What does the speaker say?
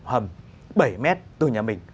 hầm bảy mét từ nhà mình